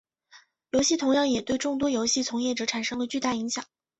游戏同样也对众多游戏从业者产生了巨大影响。